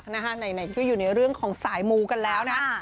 ไหนก็อยู่ในเรื่องของสายมูกันแล้วนะ